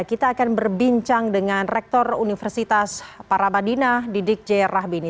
kita akan berbincang dengan rektor universitas parabadina didik j rahbini